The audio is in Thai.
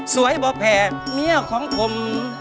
สวยบ่แผดเมียของผม